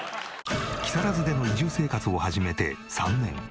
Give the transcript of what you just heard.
木更津での移住生活を始めて３年。